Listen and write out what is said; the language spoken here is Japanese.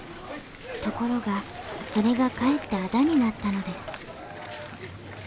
ところがそれがかえって仇になったのです